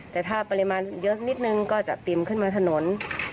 แต่ถ้าปริมาณเยอะนิดนึงก็จะติมขึ้นมาถนน